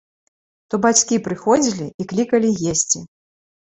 То бацькі прыходзілі і клікалі есці.